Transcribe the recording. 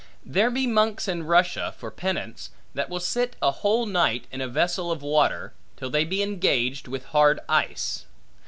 There be monks in Russia, for penance, that will sit a whole night in a vessel of water, till they be engaged with hard ice.